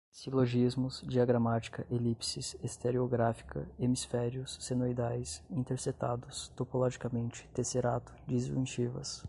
silogismos, diagramática, elipses, estereográfica, hemisférios, senoidais, intersetados, topologicamente, tesserato, disjuntivas